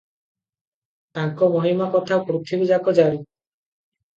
ତାଙ୍କ ମହିମା କଥା ପୃଥିବୀଯାକ ଜାରି ।